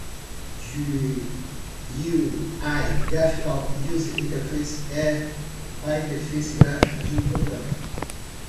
GUI (Graphical User Interface) é a interface gráfica de um programa.